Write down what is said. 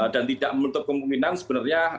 dan tidak menutup kemungkinan sebenarnya